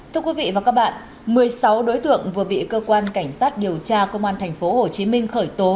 thưa quý vị và các bạn một mươi sáu đối tượng vừa bị cơ quan cảnh sát điều tra công an tp hcm khởi tố